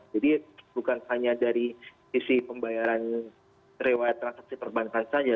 jadi bukan hanya dari isi pembayaran rewet transaksi perbankan saja